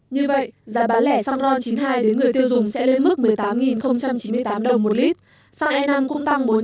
như vậy giá bán lẻ xăng ron chín mươi hai đến người tiêu dùng sẽ lên mức một mươi tám chín mươi tám đồng một lít